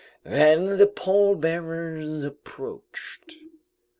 Then the pallbearers approached.